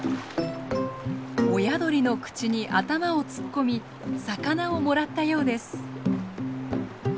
親鳥の口に頭を突っ込み魚をもらったようです。